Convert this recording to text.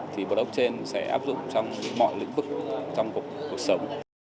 thì blockchain sẽ áp dụng trong mọi lĩnh vực trong cuộc sống